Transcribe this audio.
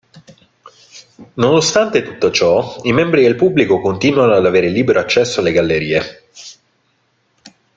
Nonostante tutto ciò, i membri del pubblico continuano ad avere libero accesso alle gallerie.